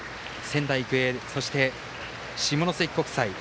仙台育英、そして下関国際。